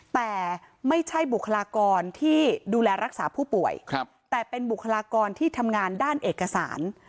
แต่ไม่ใช่บุคลากรที่ดูแลรักษาผู้ป่วยแต่เป็นบุคลากรที่ทำงานด้านเอกสาร